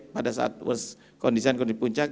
pada saat kondisi puncak